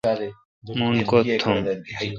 مہ ان کوتھ تھم۔